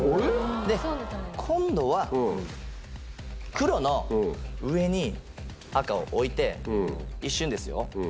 で今度は黒の上に赤を置いて一瞬ですよ。